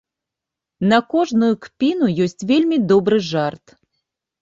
На кожную кпіну ёсць вельмі добры жарт.